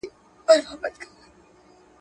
فساد کوونکي ته نصیحت وکړئ.